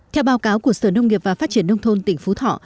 theo báo cáo của sở nông nghiệp và phát triển nông thôn tỉnh phú thọ